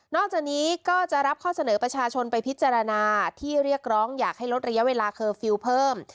จากนี้ก็จะรับข้อเสนอประชาชนไปพิจารณาที่เรียกร้องอยากให้ลดระยะเวลาเคอร์ฟิลล์เพิ่ม